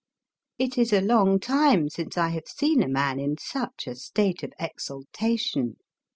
It is a long time since I have seen a man in such a state of exultation.